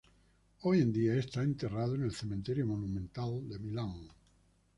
Hoy en día está enterrado en el Cementerio Monumental de Milán.